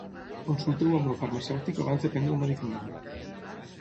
Consulteu amb el farmacèutic abans de prendre el medicament.